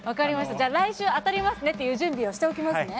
じゃあ来週当たりますねっていう準備しておきますね。